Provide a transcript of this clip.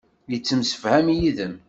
Yettemsefham yid-m.